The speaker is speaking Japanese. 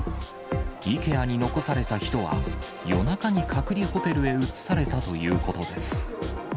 イケアに残された人は、夜中に隔離ホテルへ移されたということです。